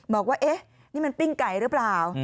บอกว่าเอ๊ะนี่มันปิ้งไก่หรือเปล่า